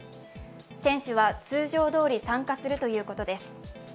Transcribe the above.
選手は通常どおり参加するということです。